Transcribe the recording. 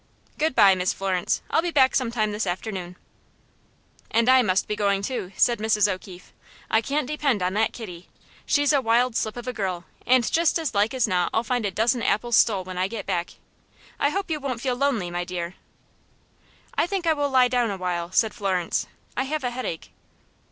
Good by, Miss Florence; I'll be back some time this afternoon." "And I must be goin', too," said Mrs. O'Keefe. "I can't depend on that Kitty; she's a wild slip of a girl, and just as like as not I'll find a dozen apples stole when I get back. I hope you won't feel lonely, my dear." "I think I will lie down a while," said Florence. "I have a headache."